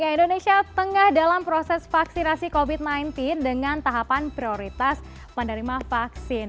indonesia tengah dalam proses vaksinasi covid sembilan belas dengan tahapan prioritas penerima vaksin